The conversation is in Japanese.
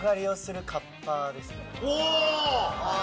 お！